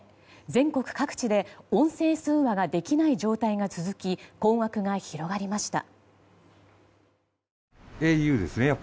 全国各地で音声通話ができない状態が続き困惑が広がりました。